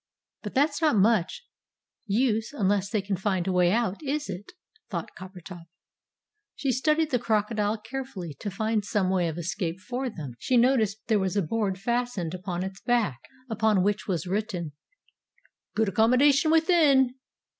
"But that's not much use unless they can find a way out, is it?" thought Coppertop. She studied the crocodile carefully to find some way of escape for them. She noticed that there was a board fastened on to its back, upon which was written "GOOD ACCOMMODATION WITHIN!"